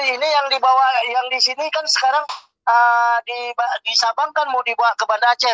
ini yang dibawa yang di sini kan sekarang di sabang kan mau dibawa ke banda aceh